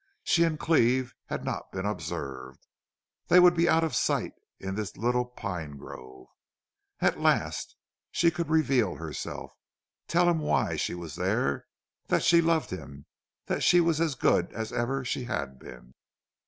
She and Cleve had not been observed. They would be out of sight in this little pine grove. At last! She could reveal herself, tell him why she was there, that she loved him, that she was as good as ever she had been.